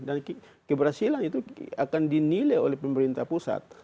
dan keberhasilan itu akan dinilai oleh pemerintah pusat